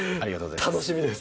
楽しみです。